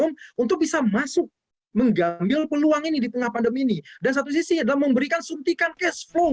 masuk mengambil peluang ini di tengah pandemi ini dan satu sisi dalam memberikan suntikan cashflow